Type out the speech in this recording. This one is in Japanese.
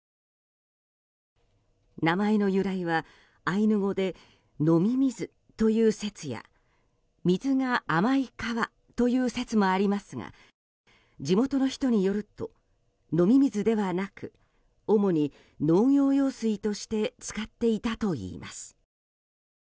名前の由来はアイヌ語で飲み水という説や水が甘い川という説もありますが地元の人によると飲み水ではなく主に農業用水として使っていたといいます。